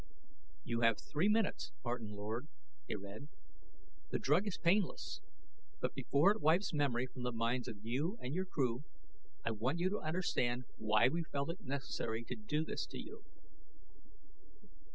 "You have three minutes, Martin Lord," he read. "The drug is painless, but before it wipes memory from the minds of you and your crew, I want you to understand why we felt it necessary to do this to you.